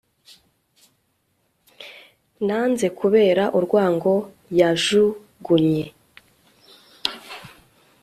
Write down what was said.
nanze kubera urwango yajugunye